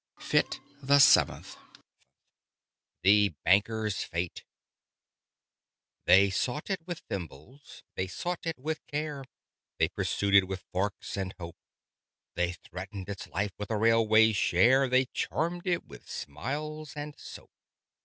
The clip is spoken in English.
Fit the Seventh THE BANKER'S FATE They sought it with thimbles, they sought it with care; They pursued it with forks and hope; They threatened its life with a railway share; They charmed it with smiles and soap.